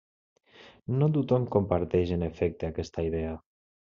No tothom comparteix, en efecte, aquesta idea.